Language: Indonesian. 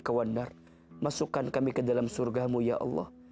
qawannar masukkan kami ke dalam surga mu ya allah